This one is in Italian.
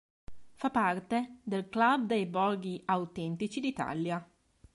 Fa parte del "club dei borghi autentici d'Italia".